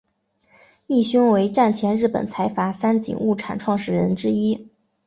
义兄为战前日本财阀三井物产创始人之一。